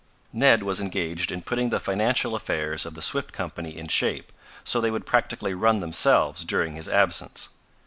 Ned was engaged in putting the financial affairs of the Swift Company in shape, so they would practically run themselves during his absence.